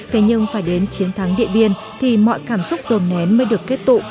thế nhưng phải đến chiến thắng điện biên thì mọi cảm xúc rồn nén mới được kết tụ